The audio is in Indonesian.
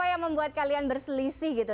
apa yang membuat kalian berselisih gitu